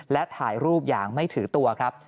และถ่ายรูปอย่างไม่ถือตัวครับ